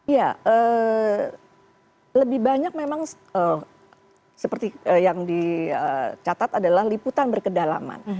ya lebih banyak memang seperti yang dicatat adalah liputan berkedalaman